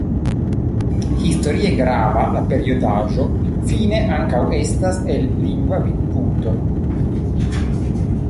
Historie grava la periodaĵo fine ankaŭ estas el lingva vidpunkto.